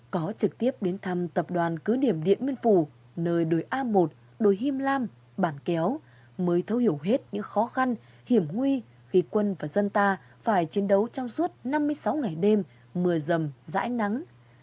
có trực tiếp đến thăm tập đoàn cứ điểm điện biên phủ nơi đồi a một đồi him lam bản kéo mới thấu hiểu hết những khó khăn hiểm nguy khi quân và dân ta phải chiến đấu trong suốt năm mươi sáu ngày đêm mưa dầm dãy nắng